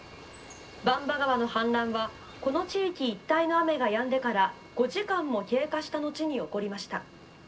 番場川の氾濫はこの地域一帯の雨がやんでから５時間も経過した後に起こりました。